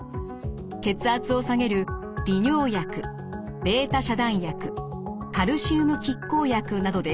血圧を下げる利尿薬β遮断薬カルシウム拮抗薬などです。